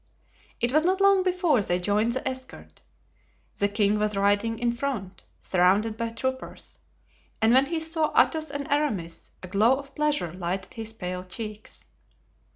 It was not long before they joined the escort. The king was riding in front, surrounded by troopers, and when he saw Athos and Aramis a glow of pleasure lighted his pale cheeks.